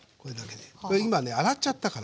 これ今ね洗っちゃったから。